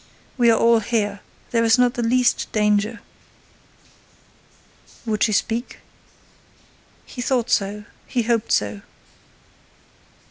We are all here. There is not the least danger." Would she speak? He thought so, he hoped so.